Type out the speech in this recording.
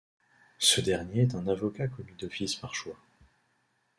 Ce dernier est un avocat commis d'office par choix.